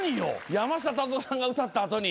山下達郎さんが歌った後に。